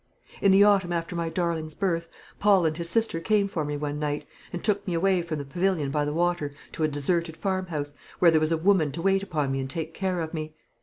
"In the autumn after my darling's birth, Paul and his sister came for me one night, and took me away from the pavilion by the water to a deserted farmhouse, where there was a woman to wait upon me and take care of me.